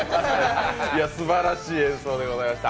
すばらしい演奏でございました。